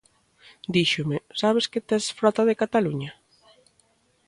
Díxome: sabes que tés frota de Cataluña?